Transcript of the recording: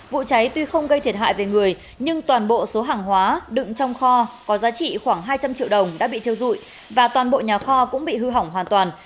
vụ cháy tuy không gây thiệt hại về người nhưng toàn bộ số hàng hóa đựng trong kho có giá trị khoảng hai trăm linh triệu đồng đã bị thiêu dụi và toàn bộ nhà kho cũng bị hư hỏng hoàn toàn